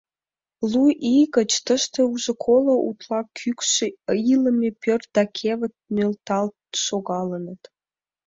Лу ий гыч тыште уже коло утла кӱкшӧ илыме пӧрт да кевыт нӧлталт шогалыныт.